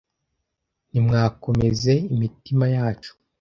Ntimwakomeze imitima yacu,